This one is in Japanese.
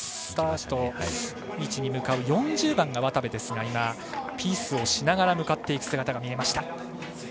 スタート位置に向かう４０番が渡部ですがピースをしながら向かっていく姿が見えました。